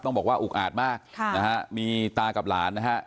ต้องบอกว่าอุบุรีอาจมากน่ะฮะมีตากับหลานนะฮะ